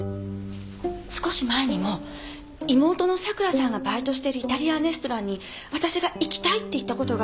少し前にも妹の桜さんがバイトしてるイタリアンレストランに私が行きたいって言ったことがあるんです。